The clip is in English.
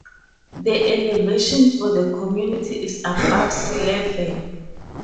The elevation for the community is above sea level.